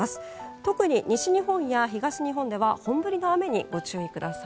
特に西日本や東日本では本降りの雨にご注意ください。